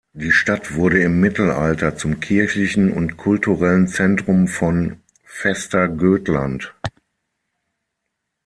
Die Stadt wurde im Mittelalter zum kirchlichen und kulturellen Zentrum von Västergötland.